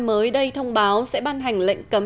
mới đây thông báo sẽ ban hành lệnh cấm